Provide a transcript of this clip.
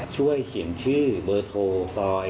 ช่วยเขียนชื่อเบอร์โทรซอย